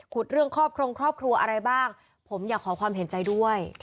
เรื่องครอบครองครอบครัวอะไรบ้างผมอยากขอความเห็นใจด้วย